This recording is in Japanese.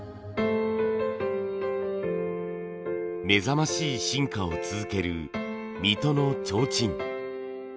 目覚ましい進化を続ける水戸のちょうちん。